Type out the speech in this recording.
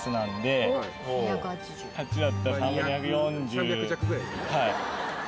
高校は３００弱ぐらいですね